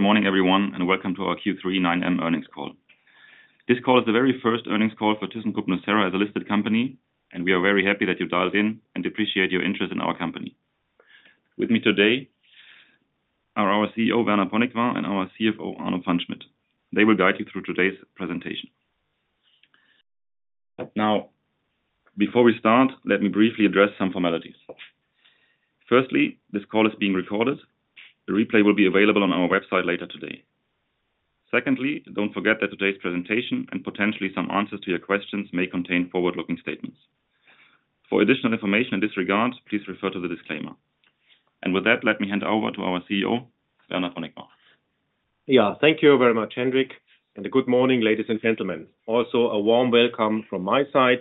Good morning, everyone, and welcome to our Q3 9M earnings call. This call is the very first earnings call for thyssenkrupp nucera as a listed company, and we are very happy that you dialed in and appreciate your interest in our company. With me today are our CEO, Werner Ponikwar, and our CFO, Arno Pfannschmidt. They will guide you through today's presentation. Now, before we start, let me briefly address some formalities. Firstly, this call is being recorded. The replay will be available on our website later today. Secondly, don't forget that today's presentation and potentially some answers to your questions may contain forward-looking statements. For additional information in this regard, please refer to the disclaimer. With that, let me hand over to our CEO, Werner Ponikwar. Yeah, thank you very much, Hendrik, and good morning, ladies and gentlemen. Also, a warm welcome from my side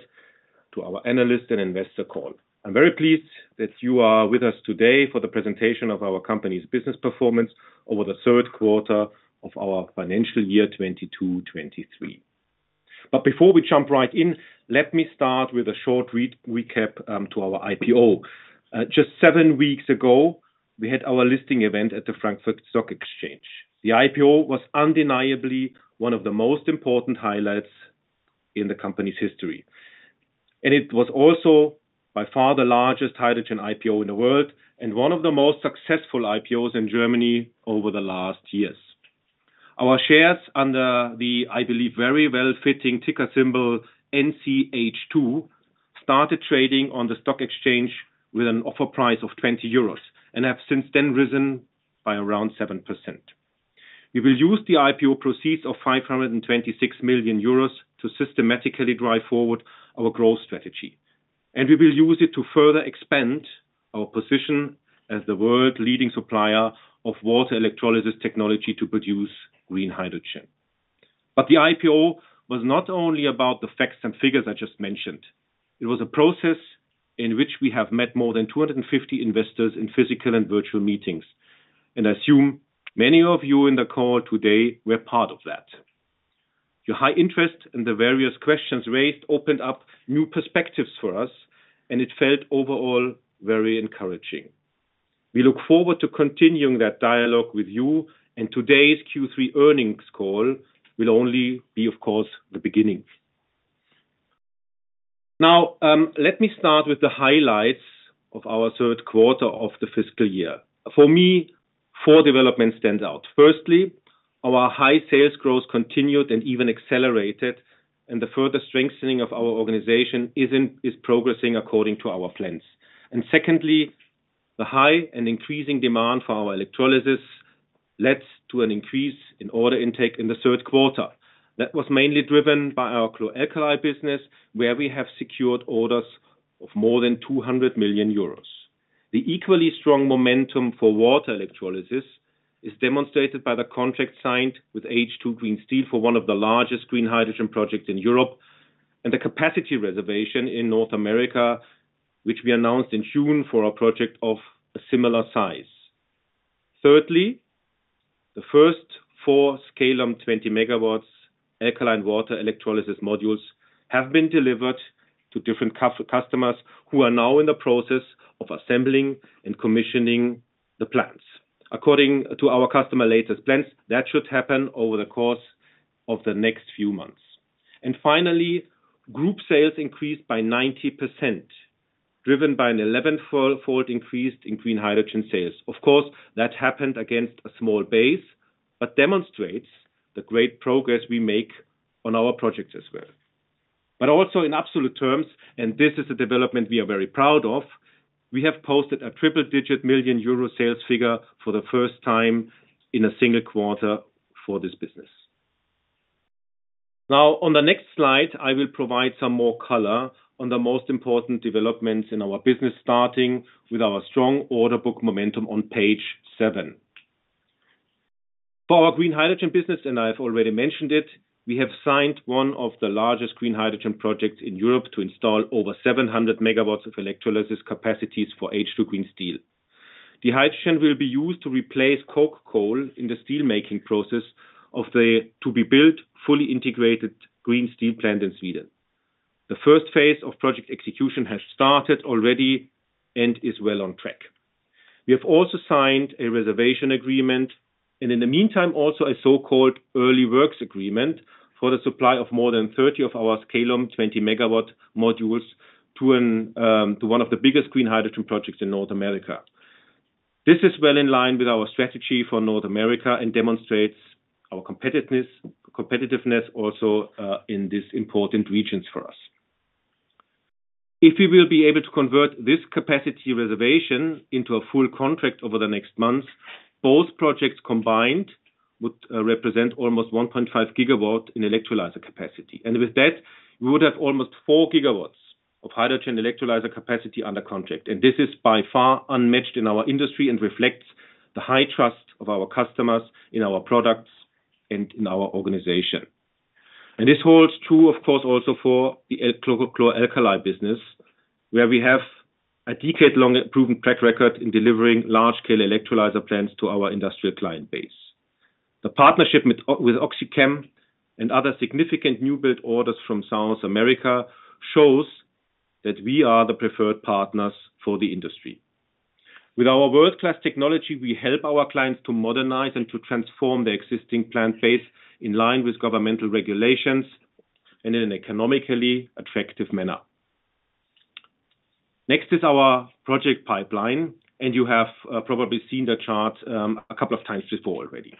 to our analyst and investor call. I'm very pleased that you are with us today for the presentation of our company's business performance over the third quarter of our financial year 2022-2023. Before we jump right in, let me start with a short recap to our IPO. Just 7 weeks ago, we had our listing event at the Frankfurt Stock Exchange. The IPO was undeniably one of the most important highlights in the company's history, and it was also by far the largest hydrogen IPO in the world and one of the most successful IPOs in Germany over the last years. Our shares under the, I believe, very well-fitting ticker symbol NCH2, started trading on the stock exchange with an offer price of 20 euros and have since then risen by around 7%. We will use the IPO proceeds of 526 million euros to systematically drive forward our growth strategy, and we will use it to further expand our position as the world leading supplier of water electrolysis technology to produce green hydrogen. But the IPO was not only about the facts and figures I just mentioned, it was a process in which we have met more than 250 investors in physical and virtual meetings, and I assume many of you in the call today were part of that. Your high interest and the various questions raised opened up new perspectives for us, and it felt overall very encouraging. We look forward to continuing that dialogue with you, and today's Q3 earnings call will only be, of course, the beginning. Now, let me start with the highlights of our third quarter of the fiscal year. For me, four developments stands out. Firstly, our high sales growth continued and even accelerated, and the further strengthening of our organization is progressing according to our plans. And secondly, the high and increasing demand for our electrolysis leads to an increase in order intake in the third quarter. That was mainly driven by our chlor-alkali business, where we have secured orders of more than 200 million euros. The equally strong momentum for water electrolysis is demonstrated by the contract signed with H2 Green Steel for one of the largest green hydrogen projects in Europe, and the capacity reservation in North America, which we announced in June for a project of a similar size. Thirdly, the first four scalum 20 MW alkaline water electrolysis modules have been delivered to different customers who are now in the process of assembling and commissioning the plants. According to our customers' latest plans, that should happen over the course of the next few months. And finally, group sales increased by 90%, driven by an elevenfold increase in green hydrogen sales. Of course, that happened against a small base, but demonstrates the great progress we make on our projects as well. But also in absolute terms, and this is a development we are very proud of, we have posted a triple-digit million EUR sales figure for the first time in a single quarter for this business. Now, on the next slide, I will provide some more color on the most important developments in our business, starting with our strong order book momentum on page 7. For our green hydrogen business, and I've already mentioned it, we have signed one of the largest green hydrogen projects in Europe to install over 700 megawatts of electrolysis capacities for H2 Green Steel. The hydrogen will be used to replace coke coal in the steelmaking process of the to-be-built, fully integrated green steel plant in Sweden. The first phase of project execution has started already and is well on track. We have also signed a reservation agreement, and in the meantime, also a so-called early works agreement for the supply of more than 30 of our scalum 20-megawatt modules to one of the biggest green hydrogen projects in North America. This is well in line with our strategy for North America and demonstrates our competitiveness also in this important regions for us. If we will be able to convert this capacity reservation into a full contract over the next months, both projects combined would represent almost 1.5 gigawatt in electrolyzer capacity. And with that, we would have almost 4 gigawatts of hydrogen electrolyzer capacity under contract. And this is by far unmatched in our industry and reflects the high trust of our customers in our products and in our organization. This holds true, of course, also for the chlor-alkali business, where we have a decade-long proven track record in delivering large-scale electrolyzer plants to our industrial client base. The partnership with OxyChem and other significant new build orders from South America shows that we are the preferred partners for the industry. With our world-class technology, we help our clients to modernize and to transform their existing plant base in line with governmental regulations and in an economically attractive manner. Next is our project pipeline, and you have probably seen the chart a couple of times before already.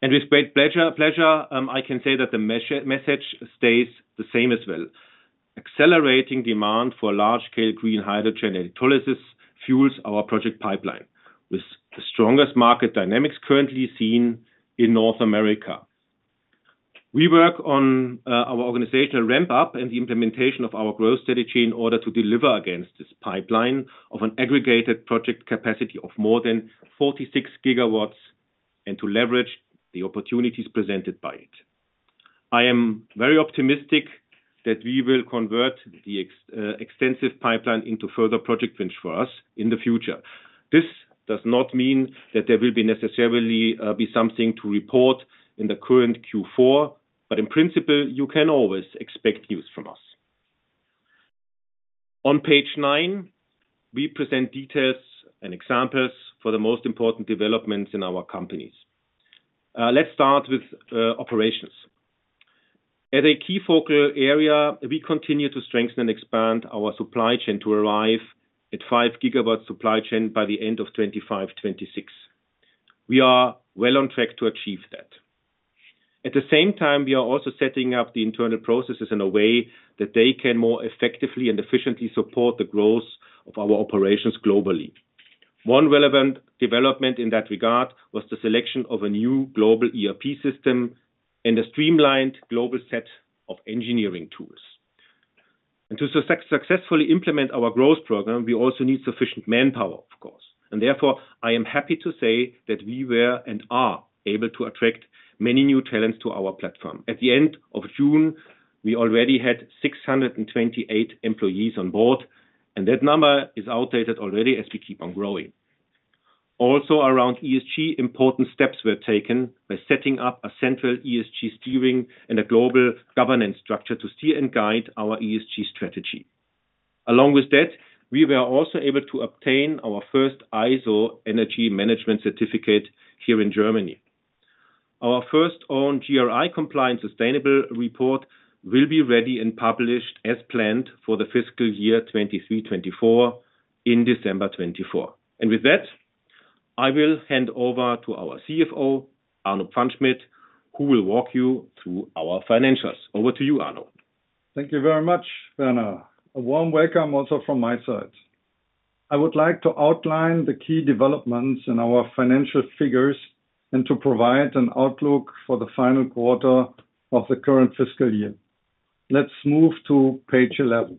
With great pleasure I can say that the message stays the same as well. Accelerating demand for large-scale green hydrogen electrolysis fuels our project pipeline, with the strongest market dynamics currently seen in North America. We work on our organizational ramp-up and the implementation of our growth strategy in order to deliver against this pipeline of an aggregated project capacity of more than 46 GW, and to leverage the opportunities presented by it. I am very optimistic that we will convert the extensive pipeline into further project wins for us in the future. This does not mean that there will be necessarily be something to report in the current Q4, but in principle, you can always expect news from us. On page 9, we present details and examples for the most important developments in our companies. Let's start with operations. As a key focal area, we continue to strengthen and expand our supply chain to arrive at 5 GW supply chain by the end of 2025, 2026. We are well on track to achieve that. At the same time, we are also setting up the internal processes in a way that they can more effectively and efficiently support the growth of our operations globally. One relevant development in that regard was the selection of a new global ERP system and a streamlined global set of engineering tools. To successfully implement our growth program, we also need sufficient manpower, of course, and therefore, I am happy to say that we were and are able to attract many new talents to our platform. At the end of June, we already had 628 employees on board, and that number is outdated already as we keep on growing. Also, around ESG, important steps were taken by setting up a central ESG steering and a global governance structure to steer and guide our ESG strategy. Along with that, we were also able to obtain our first ISO Energy Management certificate here in Germany. Our first own GRI compliance sustainable report will be ready and published as planned for the fiscal year 2023-2024 in December 2024. And with that, I will hand over to our CFO, Arno Pfannschmidt, who will walk you through our financials. Over to you, Arno. Thank you very much, Werner. A warm welcome also from my side. I would like to outline the key developments in our financial figures and to provide an outlook for the final quarter of the current fiscal year. Let's move to page 11.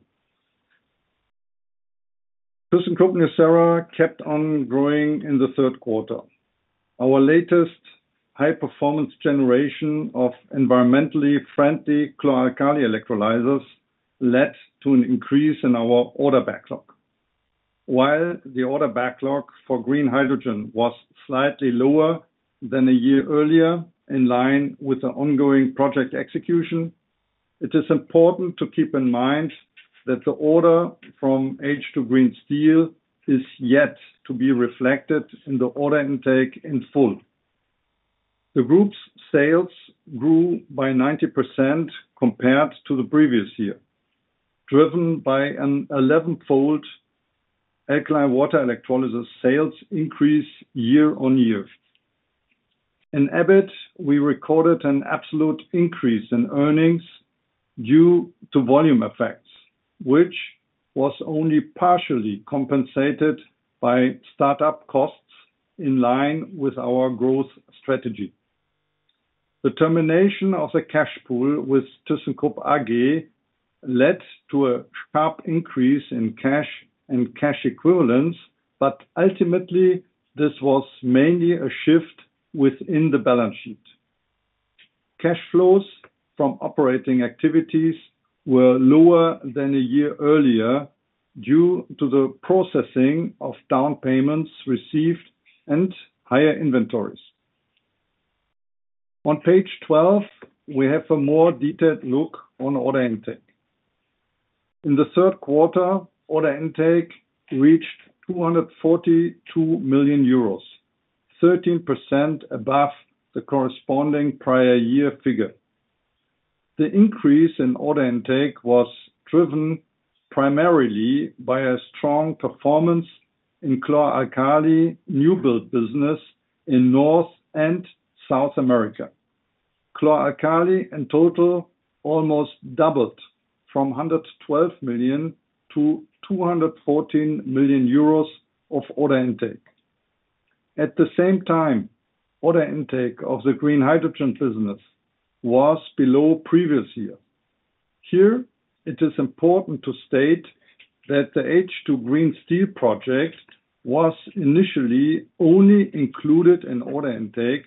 thyssenkrupp nucera kept on growing in the third quarter. Our latest high-performance generation of environmentally friendly chlor-alkali electrolyzers led to an increase in our order backlog. While the order backlog for green hydrogen was slightly lower than a year earlier, in line with the ongoing project execution, it is important to keep in mind that the order from H2 Green Steel is yet to be reflected in the order intake in full. The group's sales grew by 90% compared to the previous year, driven by an 11-fold alkaline water electrolysis sales increase year-on-year. In EBIT, we recorded an absolute increase in earnings due to volume effects, which was only partially compensated by start-up costs in line with our growth strategy. The termination of the cash pool with thyssenkrupp AG led to a sharp increase in cash and cash equivalents, but ultimately, this was mainly a shift within the balance sheet. Cash flows from operating activities were lower than a year earlier, due to the processing of down payments received and higher inventories. On page 12, we have a more detailed look on order intake. In the third quarter, order intake reached 242 million euros, 13% above the corresponding prior year figure. The increase in order intake was driven primarily by a strong performance in chlor-alkali new build business in North and South America. Chlor-alkali, in total, almost doubled from 112 million to 214 million euros of order intake. At the same time, order intake of the green hydrogen business was below previous year. Here, it is important to state that the H2 Green Steel project was initially only included in order intake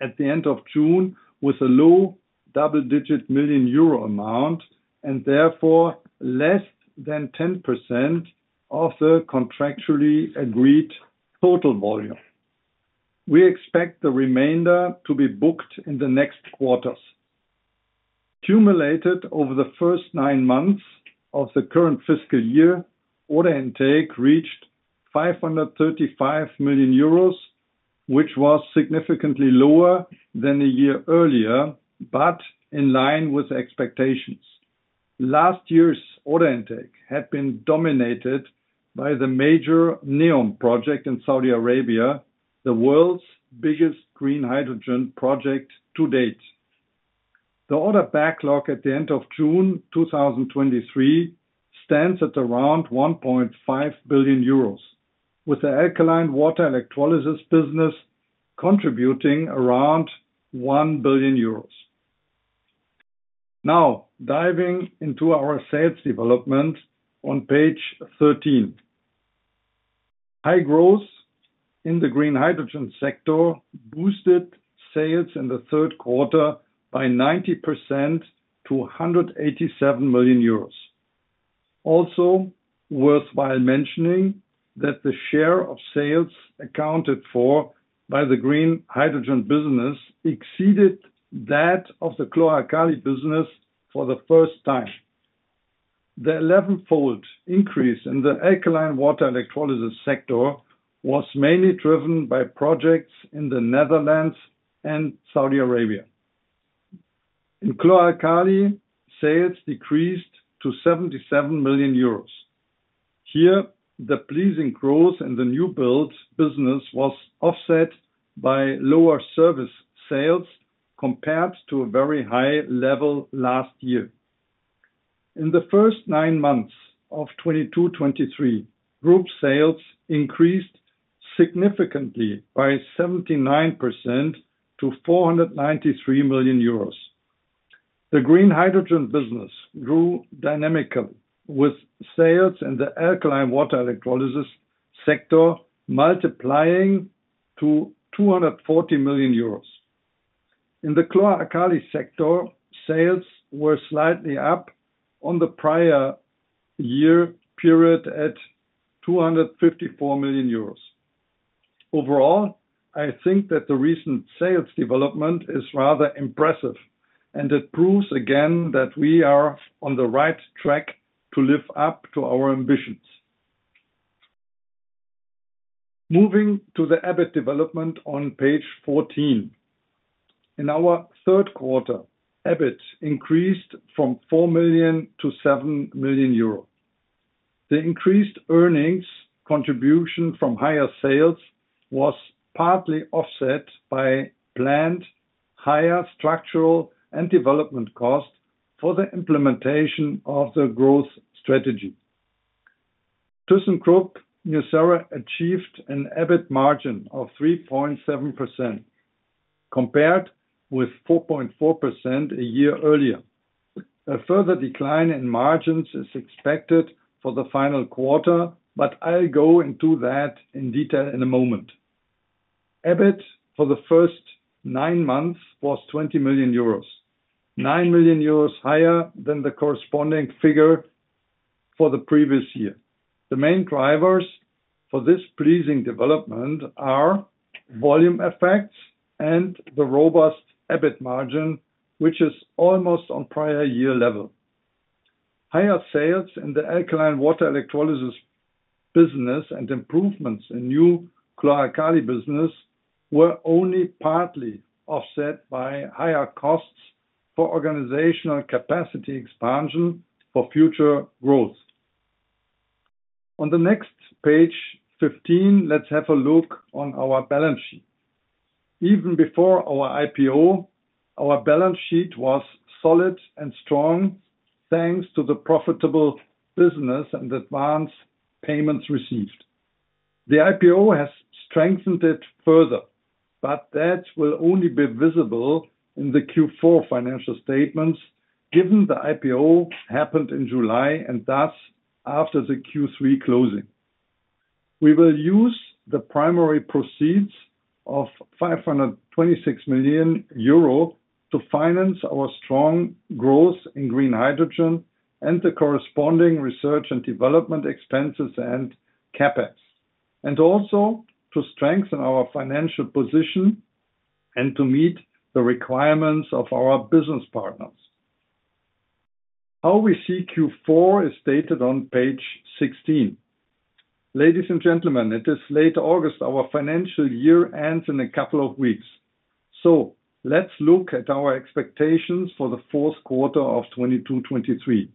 at the end of June, with a low double-digit million EUR amount, and therefore, less than 10% of the contractually agreed total volume. We expect the remainder to be booked in the next quarters. Cumulated over the first nine months of the current fiscal year, order intake reached 535 million euros, which was significantly lower than a year earlier, but in line with expectations. Last year's order intake had been dominated by the major NEOM project in Saudi Arabia, the world's biggest green hydrogen project to date. The order backlog at the end of June 2023 stands at around 1.5 billion euros, with the alkaline water electrolysis business contributing around EUR 1 billion. Now, diving into our sales development on page 13. High growth in the green hydrogen sector boosted sales in the third quarter by 90% to 187 million euros. Also worthwhile mentioning, that the share of sales accounted for by the green hydrogen business exceeded that of the chlor-alkali business for the first time. The elevenfold increase in the alkaline water electrolysis sector was mainly driven by projects in the Netherlands and Saudi Arabia. In chlor-alkali, sales decreased to 77 million euros. Here, the pleasing growth in the new build business was offset by lower service sales compared to a very high level last year. In the first nine months of 2022/2023, group sales increased significantly by 79% to 493 million euros. The green hydrogen business grew dynamically, with sales in the alkaline water electrolysis sector multiplying to 240 million euros. In the chlor-alkali sector, sales were slightly up on the prior year period at 254 million euros. Overall, I think that the recent sales development is rather impressive, and it proves again that we are on the right track to live up to our ambitions. Moving to the EBIT development on page 14. In our third quarter, EBIT increased from 4 million to 7 million euro. The increased earnings contribution from higher sales was partly offset by planned higher structural and development costs for the implementation of the growth strategy. thyssenkrupp nucera achieved an EBIT margin of 3.7%, compared with 4.4% a year earlier. A further decline in margins is expected for the final quarter, but I'll go into that in detail in a moment. EBIT for the first 9 months was 20 million euros, 9 million euros higher than the corresponding figure for the previous year. The main drivers for this pleasing development are volume effects and the robust EBIT margin, which is almost on prior year level. Higher sales in the alkaline water electrolysis business and improvements in new chlor-alkali business were only partly offset by higher costs for organizational capacity expansion for future growth. On the next page 15, let's have a look on our balance sheet. Even before our IPO, our balance sheet was solid and strong, thanks to the profitable business and advanced payments received. The IPO has strengthened it further, but that will only be visible in the Q4 financial statements, given the IPO happened in July and thus after the Q3 closing. We will use the primary proceeds of 526 million euro to finance our strong growth in green hydrogen and the corresponding research and development expenses and CapEx, and also to strengthen our financial position and to meet the requirements of our business partners. How we see Q4 is stated on page 16. Ladies and gentlemen, it is late August. Our financial year ends in a couple of weeks. So let's look at our expectations for the fourth quarter of 2022/2023.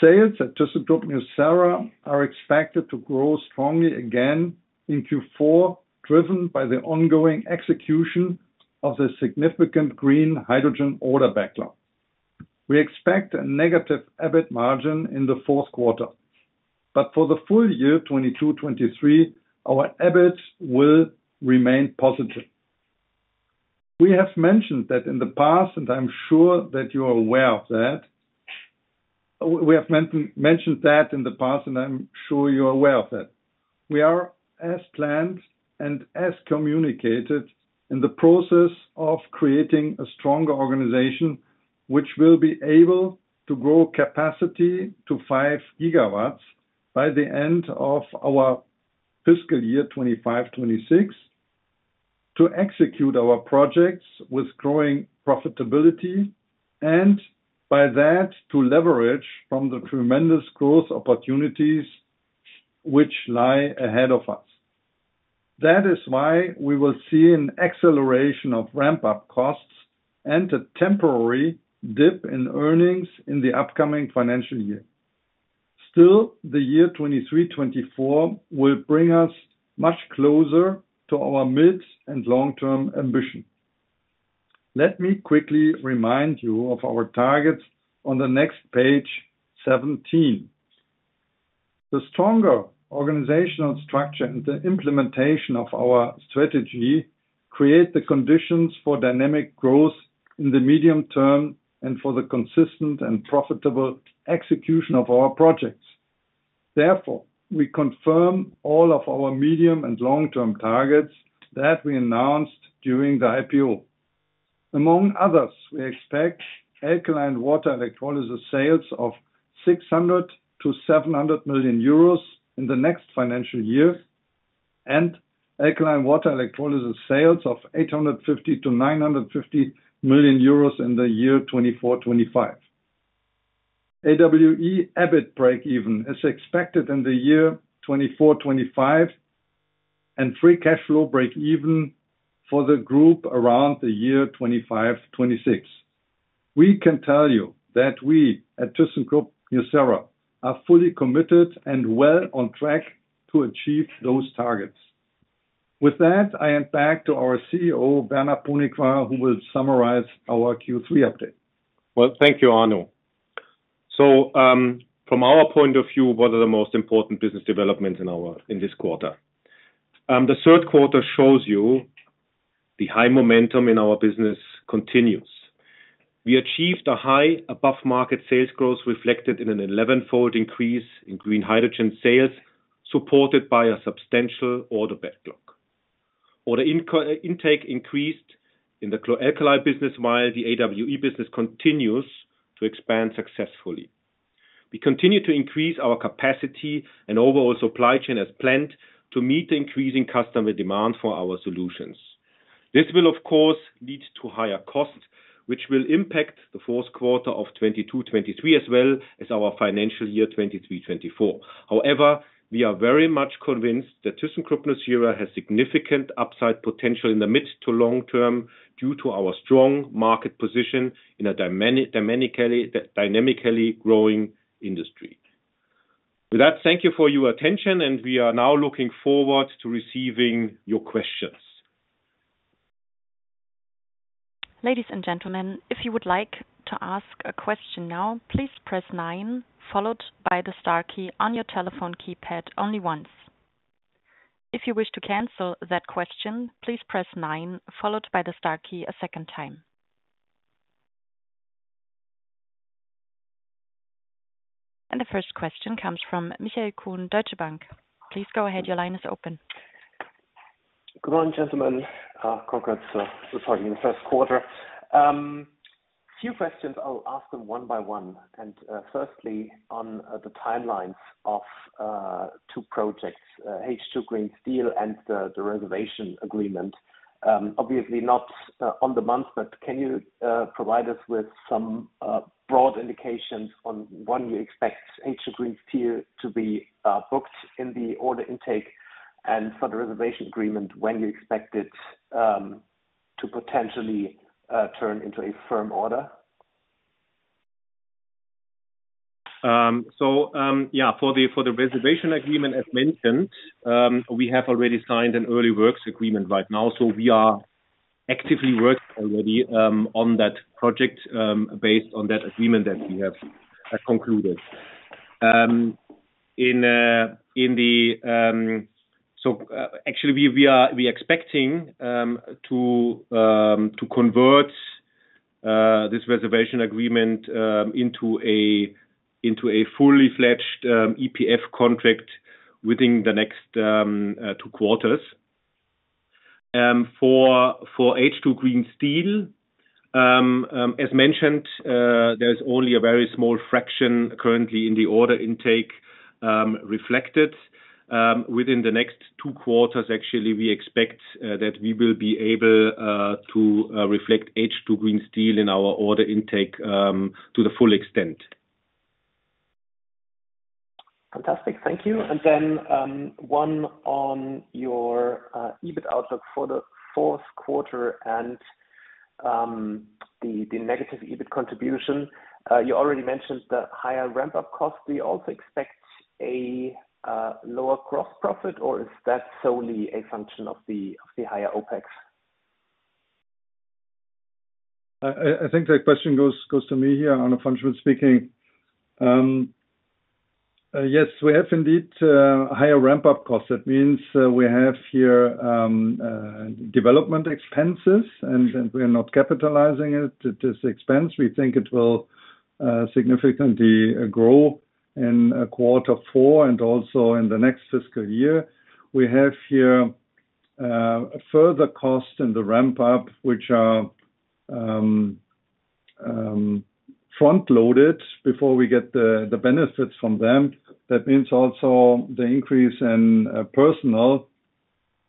Sales at thyssenkrupp nucera are expected to grow strongly again in Q4, driven by the ongoing execution of the significant green hydrogen order backlog. We expect a negative EBIT margin in the fourth quarter, but for the full year 2022/23, our EBIT will remain positive. We have mentioned that in the past, and I'm sure that you are aware of that. We are, as planned and as communicated, in the process of creating a stronger organization which will be able to grow capacity to five gigawatts by the end of our fiscal year 2025/26, to execute our projects with growing profitability, and by that, to leverage from the tremendous growth opportunities which lie ahead of us. That is why we will see an acceleration of ramp-up costs and a temporary dip in earnings in the upcoming financial year. Still, the year 2023/24 will bring us much closer to our mid and long-term ambition. Let me quickly remind you of our targets on the next page 17. The stronger organizational structure and the implementation of our strategy create the conditions for dynamic growth in the medium term and for the consistent and profitable execution of our projects. Therefore, we confirm all of our medium- and long-term targets that we announced during the IPO. Among others, we expect alkaline water electrolysis sales of 600 million-700 million euros in the next financial year, and alkaline water electrolysis sales of 850 million-950 million euros in the year 2024-2025. AWE EBIT breakeven is expected in the year 2024-2025, and free cash flow breakeven for the group around the year 2025-2026. We can tell you that we at thyssenkrupp nucera are fully committed and well on track to achieve those targets. With that, I hand back to our CEO, Werner Ponikwar, who will summarize our Q3 update. Well, thank you, Arno. So, from our point of view, what are the most important business developments in this quarter? The third quarter shows you the high momentum in our business continues. We achieved a high above-market sales growth, reflected in an elevenfold increase in green hydrogen sales, supported by a substantial order backlog. Order intake increased in the alkaline business, while the AWE business continues to expand successfully. We continue to increase our capacity and overall supply chain as planned, to meet the increasing customer demand for our solutions. This will, of course, lead to higher costs, which will impact the fourth quarter of 2022, 2023, as well as our financial year, 2023, 2024. However, we are very much convinced that thyssenkrupp nucera has significant upside potential in the mid- to long-term, due to our strong market position in a dynamically growing industry. With that, thank you for your attention, and we are now looking forward to receiving your questions. Ladies and gentlemen, if you would like to ask a question now, please press nine, followed by the star key on your telephone keypad only once. If you wish to cancel that question, please press nine, followed by the star key a second time. The first question comes from Michael Kuhn, Deutsche Bank. Please go ahead. Your line is open. Good morning, gentlemen. Congrats for the first quarter. Few questions. I'll ask them one by one, and firstly, on the timelines of two projects, H2 Green Steel and the reservation agreement. Obviously not on the month, but can you provide us with some broad indications on when you expect H2 Green Steel to be booked in the order intake and for the reservation agreement, when you expect it to potentially turn into a firm order? So, yeah, for the reservation agreement, as mentioned, we have already signed an early works agreement right now, so we are actively working already on that project, based on that agreement that we have concluded. So, actually, we are expecting to convert this reservation agreement into a fully fledged EPF contract within the next two quarters. For H2 Green Steel, as mentioned, there's only a very small fraction currently in the order intake reflected. Within the next two quarters, actually, we expect that we will be able to reflect H2 Green Steel in our order intake to the full extent. Fantastic. Thank you. And then, one on your EBIT outlook for the fourth quarter and the negative EBIT contribution. You already mentioned the higher ramp-up costs. We also expect a lower gross profit, or is that solely a function of the higher OpEx? I think that question goes to me here, Arno Pfannschmidt speaking. Yes, we have indeed higher ramp-up costs. That means we have here development expenses, and we are not capitalizing it. It is expense. We think it will significantly grow in quarter four and also in the next fiscal year. We have here a further cost in the ramp up, which are front-loaded before we get the benefits from them. That means also the increase in personnel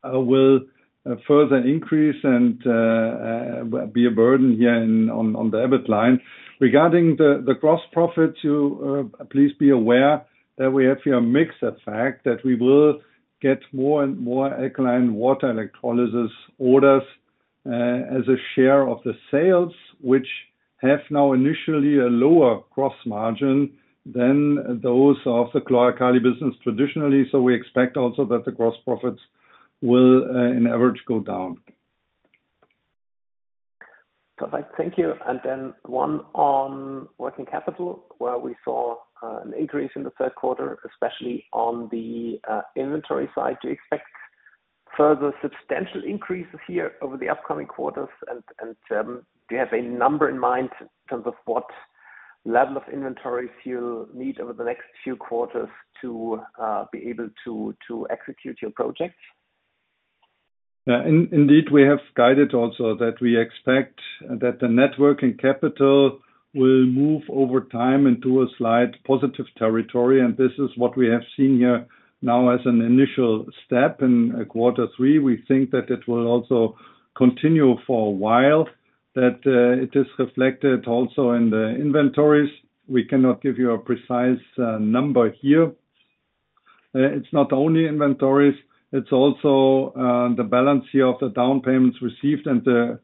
will further increase and be a burden here in, on the EBIT line. Regarding the gross profit, you please be aware that we have here a mixed effect, that we will get more and more alkaline water electrolysis orders as a share of the sales, which have now initially a lower gross margin than those of the chlor-alkali business traditionally. So we expect also that the gross profits will in average go down. Perfect. Thank you. And then one on working capital, where we saw an increase in the third quarter, especially on the inventory side. Do you expect further substantial increases here over the upcoming quarters? And do you have a number in mind in terms of what level of inventories you'll need over the next few quarters to be able to execute your projects? Yeah. Indeed, we have guided also that we expect that the net working capital will move over time into a slight positive territory, and this is what we have seen here now as an initial step in quarter three. We think that it will also continue for a while, that it is reflected also in the inventories. We cannot give you a precise number here. It's not only inventories, it's also the balance here of the down payments received and the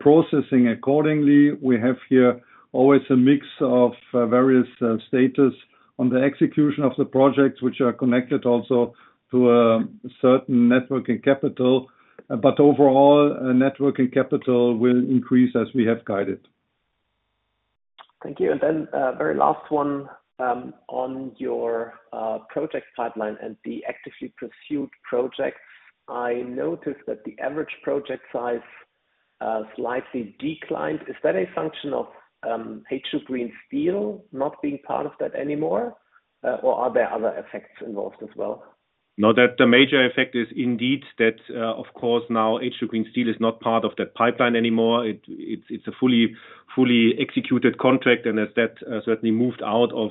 processing accordingly. We have here always a mix of various status on the execution of the projects, which are connected also to certain net working capital. But overall, net working capital will increase as we have guided. Thank you. And then, very last one, on your project pipeline and the actively pursued projects. I noticed that the average project size slightly declined. Is that a function of H2 Green Steel not being part of that anymore? Or are there other effects involved as well? No, the major effect is indeed that, of course, now H2 Green Steel is not part of that pipeline anymore. It's a fully executed contract, and as that certainly moved out of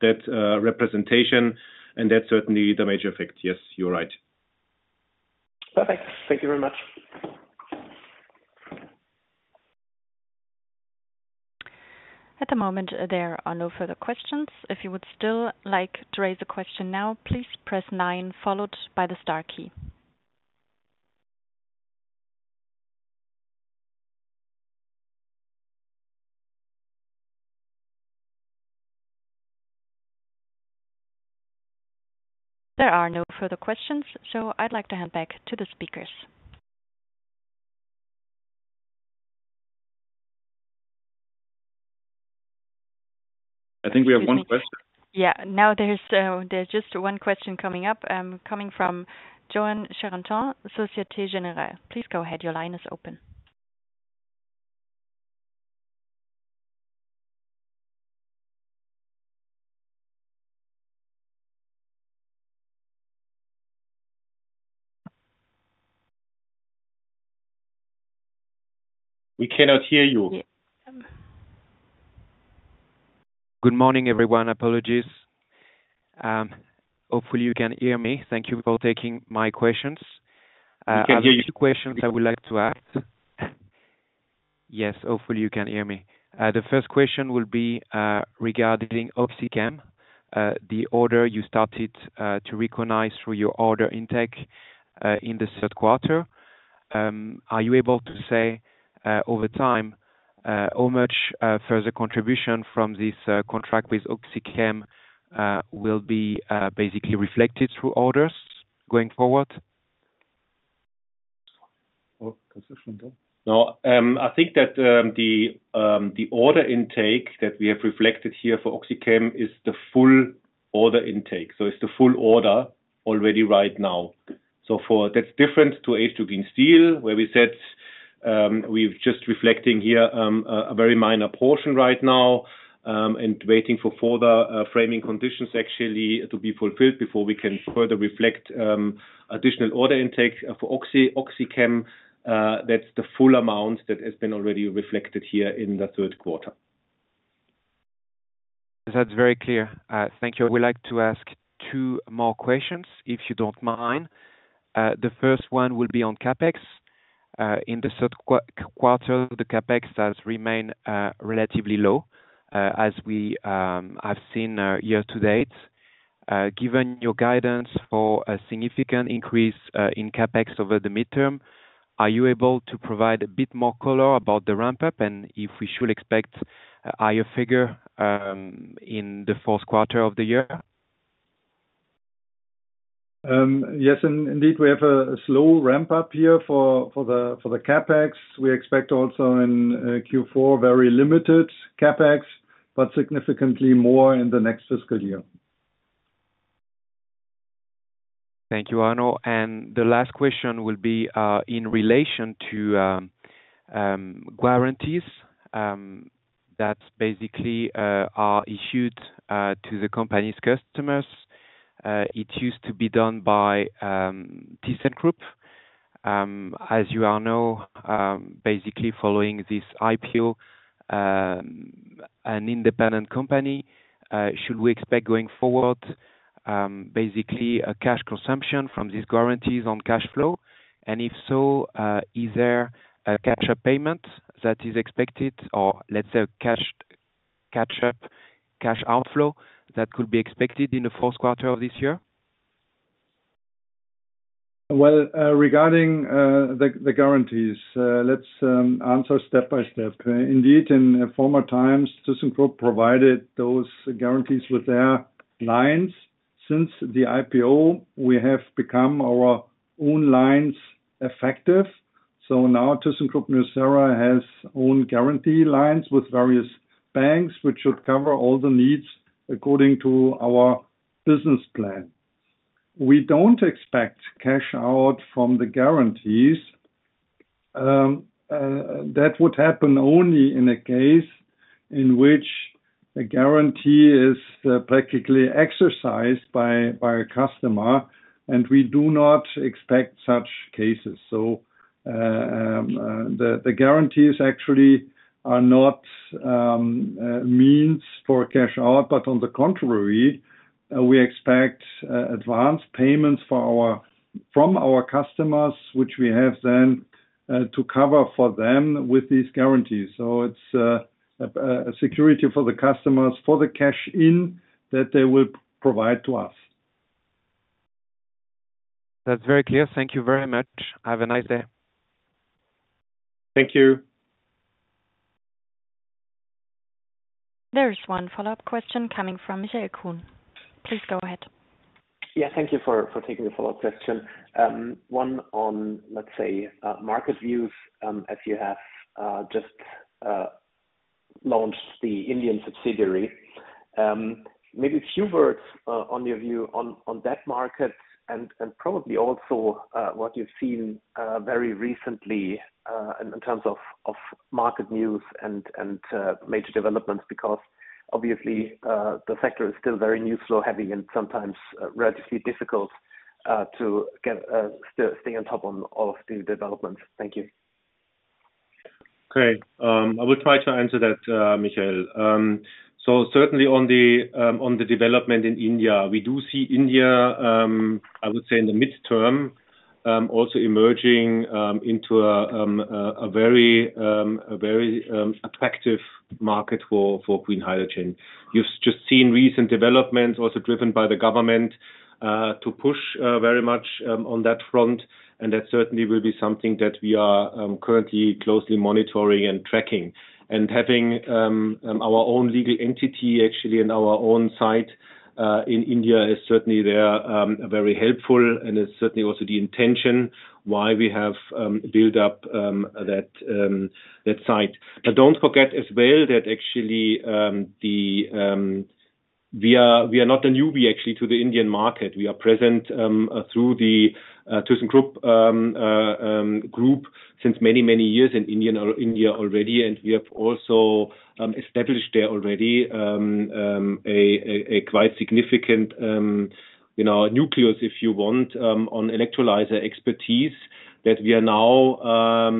that representation, and that's certainly the major effect. Yes, you're right. Perfect. Thank you very much. At the moment, there are no further questions. If you would still like to raise a question now, please press nine followed by the star key. There are no further questions, so I'd like to hand back to the speakers. I think we have one question. Yeah. Now, there's just one question coming from Yoann Charenton, Société Générale. Please go ahead. Your line is open. We cannot hear you. Yeah, um. Good morning, everyone. Apologies. Hopefully, you can hear me. Thank you for taking my questions. We can hear you. There are two questions I would like to ask. Yes, hopefully, you can hear me. The first question will be regarding OxyChem, the order you started to recognize through your order intake in the third quarter. Are you able to say, over time, how much further contribution from this contract with OxyChem will be basically reflected through orders going forward? Oh, can you hear me now? No, I think that the order intake that we have reflected here for OxyChem is the full order intake, so it's the full order already right now. So that's different to H2 Green Steel, where we said we've just reflecting here a very minor portion right now and waiting for further framing conditions actually to be fulfilled before we can further reflect additional order intake. For Oxy, OxyChem, that's the full amount that has been already reflected here in the third quarter. That's very clear. Thank you. I would like to ask two more questions, if you don't mind. The first one will be on CapEx. In the third quarter, the CapEx has remained relatively low, as we have seen, year to date. Given your guidance for a significant increase in CapEx over the midterm, are you able to provide a bit more color about the ramp-up? And if we should expect a higher figure in the fourth quarter of the year? Yes, indeed, we have a slow ramp-up here for the CapEx. We expect also in Q4 very limited CapEx, but significantly more in the next fiscal year. Thank you, Arno. The last question will be in relation to guarantees that basically are issued to the company's customers. It used to be done by thyssenkrupp. As you all know, basically following this IPO, an independent company, should we expect going forward, basically, a cash consumption from these guarantees on cash flow? And if so, is there a capture payment that is expected, or let's say, cash catch up cash outflow that could be expected in the fourth quarter of this year? Well, regarding the guarantees, let's answer step by step. Indeed, in former times, thyssenkrupp provided those guarantees with their lines. Since the IPO, we have become our own lines effective. So now, thyssenkrupp nucera has own guarantee lines with various banks, which should cover all the needs according to our business plan. We don't expect cash out from the guarantees. That would happen only in a case in which a guarantee is practically exercised by a customer, and we do not expect such cases. So, the guarantees actually are not means for cash out, but on the contrary, we expect advanced payments from our customers, which we have then to cover for them with these guarantees. It's a security for the customers, for the cash-in that they will provide to us. That's very clear. Thank you very much. Have a nice day. Thank you. There is one follow-up question coming from Michael Kuhn. Please go ahead. Yeah, thank you for taking the follow-up question. One on, let's say, market views, as you have just launched the Indian subsidiary. Maybe a few words on your view on that market, and probably also what you've seen very recently in terms of market news and major developments, because obviously the sector is still very news flow heavy and sometimes relatively difficult to stay on top of all of the developments. Thank you. Great. I will try to answer that, Michael. So certainly on the development in India, we do see India, I would say in the midterm, also emerging into a very attractive market for green hydrogen. You've just seen recent developments, also driven by the government, to push very much on that front, and that certainly will be something that we are currently closely monitoring and tracking. And having our own legal entity, actually, in our own site in India, is certainly very helpful, and is certainly also the intention why we have built up that site. But don't forget as well, that actually we are not a newbie, actually, to the Indian market. We are present through the thyssenkrupp group since many, many years in India already, and we have also established there already a quite significant, you know, nucleus, if you want, on electrolyzer expertise, that we are now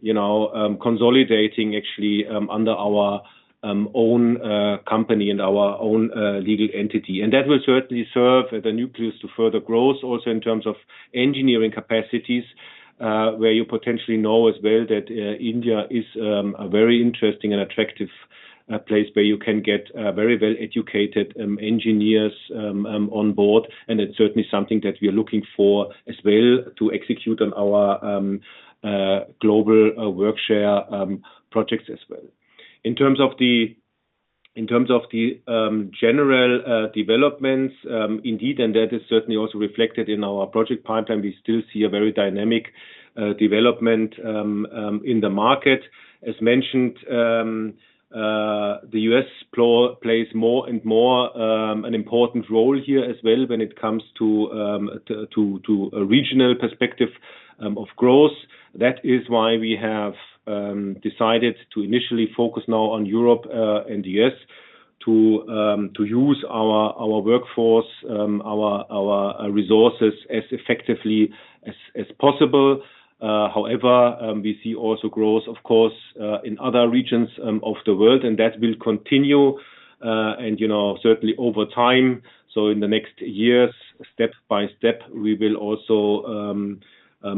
you know consolidating actually under our own company and our own legal entity. And that will certainly serve the nucleus to further growth, also in terms of engineering capacities, where you potentially know as well, that India is a very interesting and attractive place where you can get very well educated engineers on board. And it's certainly something that we are looking for as well, to execute on our global workshare projects as well. In terms of the general developments, indeed, and that is certainly also reflected in our project pipeline, we still see a very dynamic development in the market. As mentioned, the U.S. plays more and more an important role here as well, when it comes to a regional perspective of growth. That is why we have decided to initially focus now on Europe and the U.S., to use our workforce, our resources as effectively as possible. However, we see also growth, of course, in other regions of the world, and that will continue, and, you know, certainly over time. So in the next years, step by step, we will also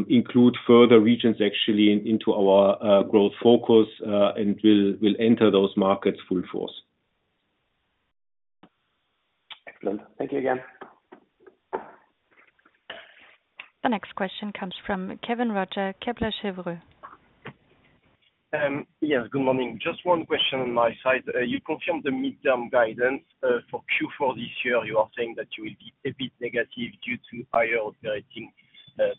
include further regions actually into our growth focus, and we'll enter those markets full force. Excellent. Thank you again. The next question comes from Kevin Roger, Kepler Cheuvreux. Yes, good morning. Just one question on my side. You confirmed the midterm guidance for Q4 this year. You are saying that you will be a bit negative due to higher operating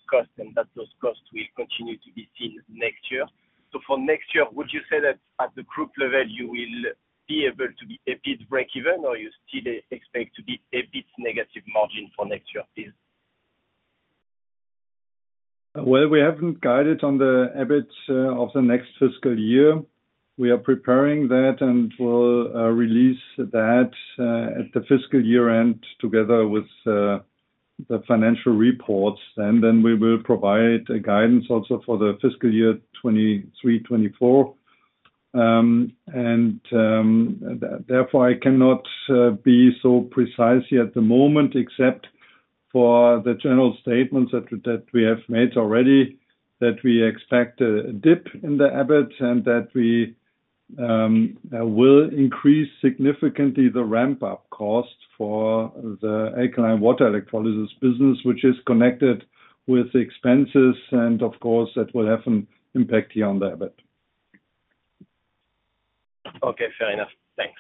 costs, and that those costs will continue to be seen next year. So for next year, would you say that at the group level, you will be able to be a bit breakeven, or you still expect to be a bit negative margin for next year as well? Well, we haven't guided on the EBIT of the next fiscal year. We are preparing that, and we'll release that at the fiscal year-end, together with the financial reports. And then we will provide a guidance also for the fiscal year 2023-2024. And therefore, I cannot be so precise here at the moment, except for the general statements that we have made already, that we expect a dip in the EBIT, and that we will increase significantly the ramp-up costs for the Alkaline Water Electrolysis business, which is connected with expenses, and of course, that will have an impact here on the EBIT. Okay, fair enough. Thanks.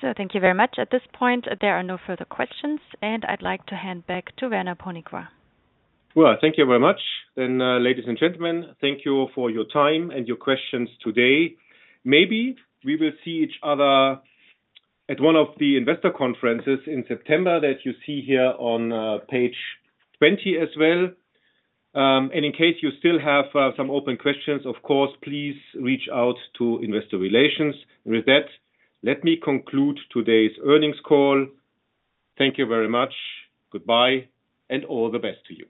So thank you very much. At this point, there are no further questions, and I'd like to hand back to Werner Ponikwar. Well, thank you very much. Then, ladies and gentlemen, thank you for your time and your questions today. Maybe we will see each other at one of the investor conferences in September, that you see here on page 20 as well. And in case you still have some open questions, of course, please reach out to investor relations. With that, let me conclude today's earnings call. Thank you very much. Goodbye, and all the best to you.